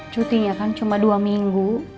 cutinya kan cuma dua minggu